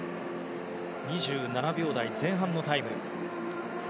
２７秒台前半のタイム。